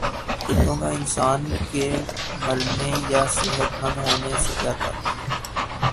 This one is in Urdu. کتوں کا انسان کے مرنے یا صحت مند ہونے سے کیا تعلق